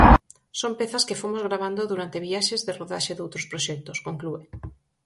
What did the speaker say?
Son pezas que fomos gravando durante viaxes de rodaxe doutros proxectos, conclúe.